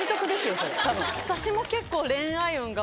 私も結構。